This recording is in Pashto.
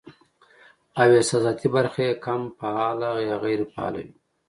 او احساساتي برخه ئې کم فعاله يا غېر فعاله وي